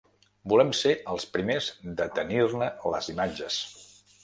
Volem ser els primers de tenir-ne les imatges.